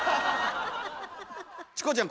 チコちゃん